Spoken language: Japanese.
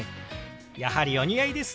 やはりお似合いですね。